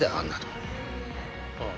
ああ